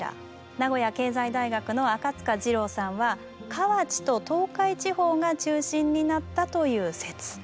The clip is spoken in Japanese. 名古屋経済大学の赤次郎さんは河内と東海地方が中心になったという説。